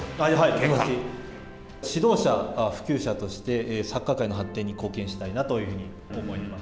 指導者、普及者としてサッカー界の発展に貢献したいなというふうに思います。